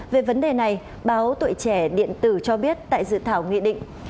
về vấn đề này báo tuổi trẻ điện tử cho biết tại dự thảo nghị định